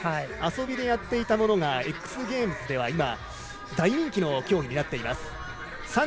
遊びでやっていたものがＸＧＡＭＥＳでは今、大人気の競技になっています。